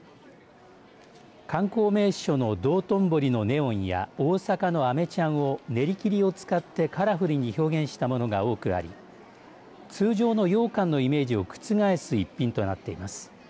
観光名所の道頓堀のネオンや大阪のあめちゃんを練り切りを使ってカラフルに表現したものが多くあり通常のようかんのイメージを覆す一品となっています。